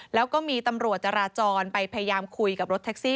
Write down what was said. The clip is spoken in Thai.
แล้วก็มีตำรวจจราจรไปพยายามคุยกับรถแท็กซี่